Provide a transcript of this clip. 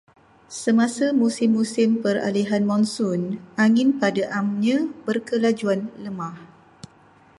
Semasa musim-musim peralihan monsun, angin pada amnya berkelajuan lemah.